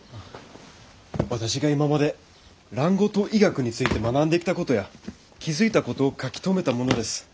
私が今まで蘭語と医学について学んできたことや気付いたことを書き留めたものです。